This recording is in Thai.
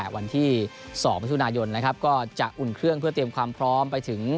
วันที่๒มิถุนายนนะครับก็จะอุ่นเครื่องเพื่อเตรียมความพร้อมไปถึง